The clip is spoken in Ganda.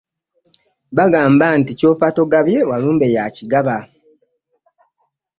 Bagamba nti Ky'ofa togabye, Walumbe y'akigaba.